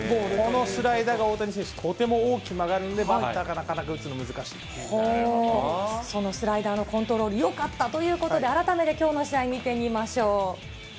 このスライダーが大谷選手、とても大きく曲がるんで、バッターが、なかなか打つの、難しいでそのスライダーのコントロール、よかったということで、改めてきょうの試合、見てみましょう。